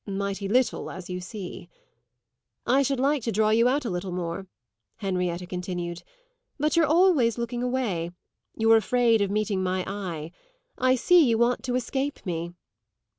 "Mighty little, as you see!" "I should like to draw you out a little more," Henrietta continued. "But you're always looking away. You're afraid of meeting my eye. I see you want to escape me."